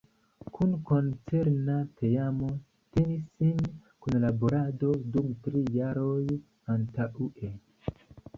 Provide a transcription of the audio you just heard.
Kun koncerna teamo tenis sin kunlaborado dum tri jaroj antaŭe.